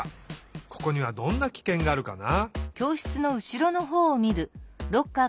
ここにはどんなキケンがあるかな？